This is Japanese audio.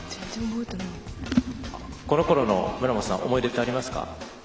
このころの思い出ってありますか？